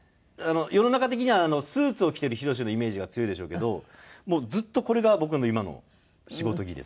世の中的にはスーツを着てるヒロシのイメージが強いでしょうけどもうずっとこれが僕の今の仕事着です。